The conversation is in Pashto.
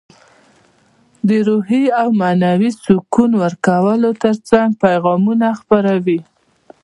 د روحي او معنوي سکون ورکولو ترڅنګ پیغامونه خپروي.